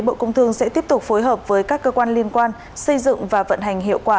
bộ công thương sẽ tiếp tục phối hợp với các cơ quan liên quan xây dựng và vận hành hiệu quả